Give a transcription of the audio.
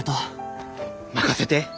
任せて。